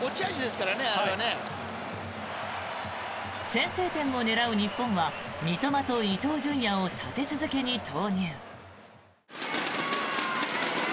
先制点を狙う日本は三笘と伊東純也を立て続けに投入。